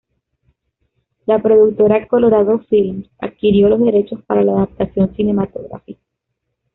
La productora Colorado Films adquirió los derechos para la adaptación cinematográfica.